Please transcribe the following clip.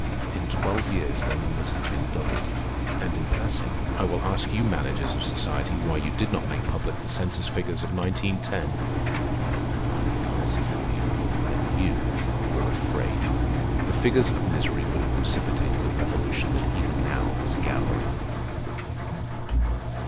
In twelve years their numbers have been doubled. And in passing I will ask you managers of society why you did not make public the census figures of 1910? And I will answer for you, that you were afraid. The figures of misery would have precipitated the revolution that even now is gathering.